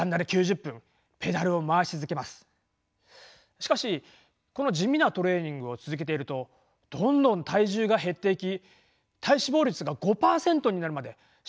しかしこの地味なトレーニングを続けているとどんどん体重が減っていき体脂肪率が５％なるまで絞れていきました。